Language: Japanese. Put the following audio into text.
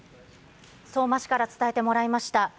相馬市から伝えてもらいました。